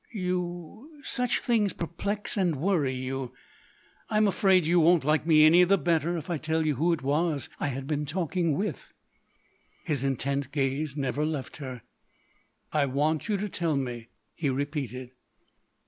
"You—such things perplex and worry you.... I am afraid you won't like me any the better if I tell you who it was I had been talking with." His intent gaze never left her. "I want you to tell me," he repeated.